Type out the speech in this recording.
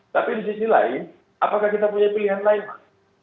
tapi di sisi lain apakah kita punya pilihan lain pak